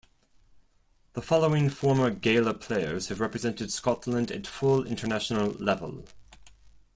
The following former Gala players have represented Scotland at full international level.